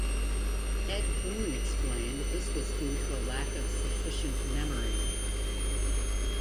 Ed Boon explained this was due to a lack of sufficient memory.